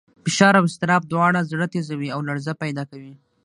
فشار او اضطراب دواړه زړه تېزوي او لړزه پیدا کوي.